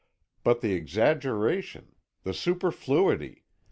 But the exaggeration. The superfluity.